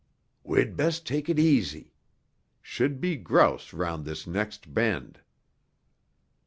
"We'd best take it easy. Should be grouse round this next bend."